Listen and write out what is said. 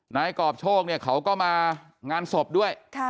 นายกรอบโชคเนี่ยเขาก็มางานศพด้วย